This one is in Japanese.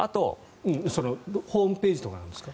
ホームページとかなんですか？